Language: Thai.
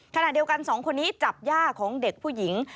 ขณะเดียวกันสองคนนี้จับย่าของเด็กผู้หญิง